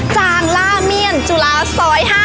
จางล่าเมียนจุฬาซอย๕